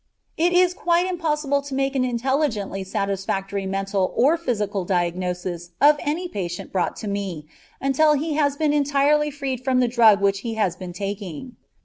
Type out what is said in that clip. It is quite impossible to make an intelligently satisfactory mental or physical diagnosis of any patient brought to me until he has been entirely freed from the drug which he has been taking.